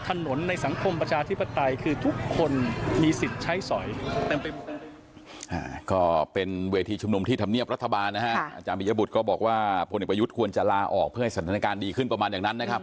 ถนนในสังคมประชาธิปไตยคือทุกคนมีสิทธิ์ใช้สอย